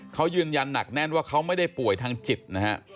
เขายืนยันหนักแน่นว่าเขาไม่ได้ป่วยทางจิตนะฮะ